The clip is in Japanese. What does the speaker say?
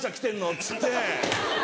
っつって。